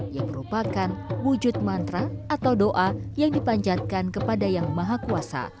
yang merupakan wujud mantra atau doa yang dipanjatkan kepada yang maha kuasa